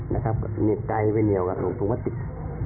นิดใกล้ไปเหนียวกับถุงพระติด